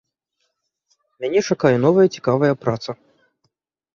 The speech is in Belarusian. Мяне чакае новая цікавая праца.